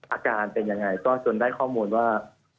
อาการเป็นยังไงก็จนได้ข้อมูลว่า